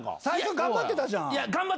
最初頑張ってたじゃん。